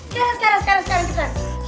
sekarang sekarang sekarang